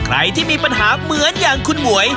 ใครที่มีปัญหาเหมือนอย่างคุณหมวย